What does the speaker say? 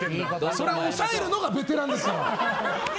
それを抑えるのがベテランですから。